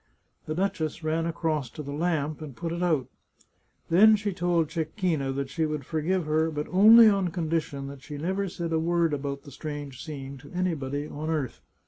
The duchess ran across to the lamp and put it out. Then she told Cecchina that she would forgive her, but only on condition that she never said a word about the strange scene to anybody on earth.